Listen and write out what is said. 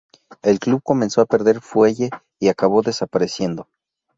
El club comenzó a perder fuelle y acabó desapareciendo.